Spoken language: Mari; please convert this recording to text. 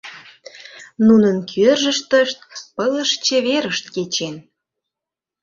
Нунын кӧржыштышт пылыш чеверышт кечен.